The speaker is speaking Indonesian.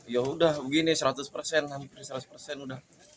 yaudah begini seratus persen hampir seratus persen udah